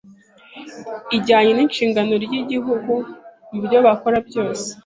ijyanye n’inshingano ry’igihugu mubyo bakora byose